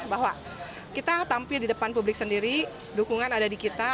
bahwa kita tampil di depan publik sendiri dukungan ada di kita